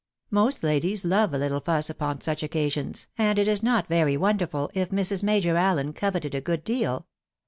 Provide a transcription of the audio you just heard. Most ladies love a little fuss upon such occasions, and it is nbt very wonderful if Mrs. Major AUen coveted a good deal.